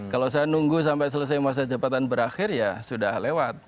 kalau saya nunggu sampai selesai masa jabatan berakhir ya sudah lewat